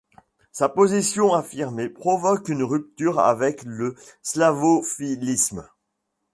Sa position affirmée provoque une rupture avec le slavophilisme.